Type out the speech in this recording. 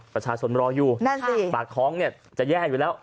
ประชาชนรออยู่ปากคล้องจะแย่อยู่แล้ว